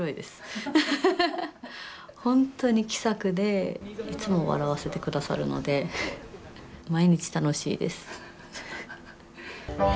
本当に気さくでいつも笑わせてくださるので毎日楽しいです。